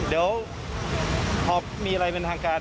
เดี๋ยวพอมีอะไรเป็นทางการ